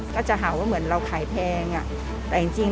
ก็จะเห็นเหมือนเราขายแพง